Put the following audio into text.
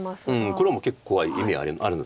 黒も結構怖い意味あるんです。